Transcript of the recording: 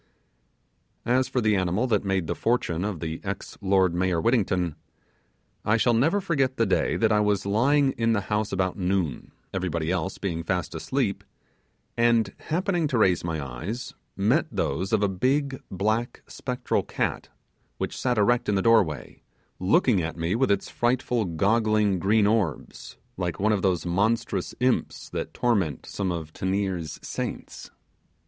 As for the animal that made the fortune of the ex lord mayor Whittington, I shall never forget the day that I was lying in the house about noon, everybody else being fast asleep; and happening to raise my eyes, met those of a big black spectral cat, which sat erect in the doorway, looking at me with its frightful goggling green orbs, like one of those monstrous imps that torment some of Teniers' saints!